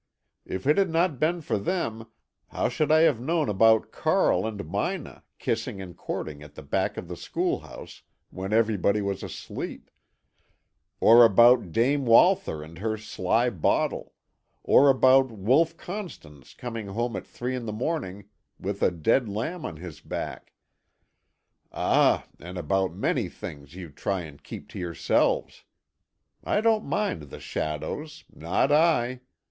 If it had not been for them, how should I have known about Karl and Mina kissing and courting at the back of the schoolhouse when everybody was asleep, or about Dame Walther and her sly bottle, or about Wolf Constans coming home at three in the morning with a dead lamb on his back ah, and about many things you try and keep to yourselves? I don't mind the shadows, not I."